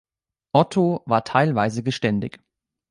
Otto war teilweise geständig.